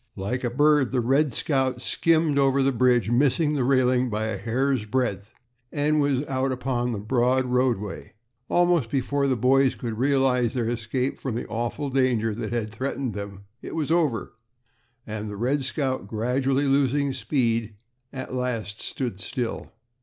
Like a bird the "Red Scout" skimmed over the bridge, missing the railing by a hair's breadth, and was out upon the broad roadway. Almost before the boys could realize their escape from the awful danger that had threatened them, it was over, and the "Red Scout" gradually losing its speed, at last stood still.